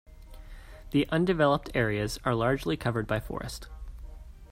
The undeveloped areas are largely covered by forest.